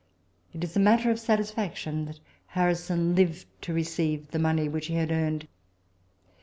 It is a matter of satisfaction that Harrison lived to receive the money which he had earned.